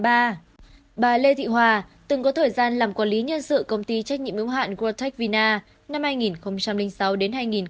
bà lê thị hòa từng có thời gian làm quản lý nhân sự công ty trách nhiệm ứng hạn world tak vina năm hai nghìn sáu đến hai nghìn một mươi ba